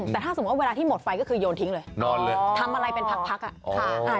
แต่ถ้าสมมุติเวลาที่หมดไฟก็คือโยนทิ้งเลยนอนเลยทำอะไรเป็นพักอ่ะค่ะ